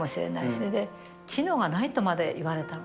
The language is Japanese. それで、知能がないとまで言われたの。